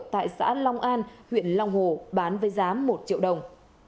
tại xã long an huyện long hồ bán với giá một triệu đồng